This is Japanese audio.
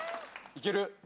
いける？